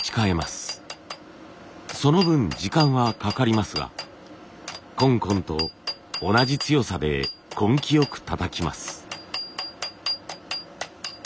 その分時間はかかりますがコンコンと同じ強さで根気よくたたきます。